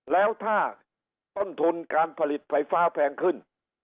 แล้วถ้าต้นทุนการผลิตไฟฟ้าแพงขึ้น